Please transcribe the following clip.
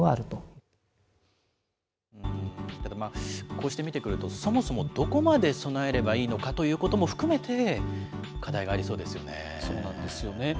こうして見てくると、そもそも、どこまで備えればいいのかということも含めて、そうなんですよね。